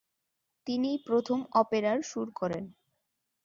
তিনি প্রথম অপেরার সুর করেন।